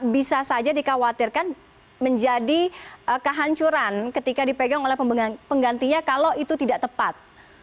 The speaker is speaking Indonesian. bisa saja dikhawatirkan menjadi kehancuran ketika dipegang oleh penggantinya kalau itu tidak tepat